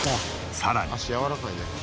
さらに。